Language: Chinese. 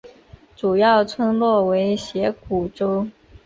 主要村落为斜古丹。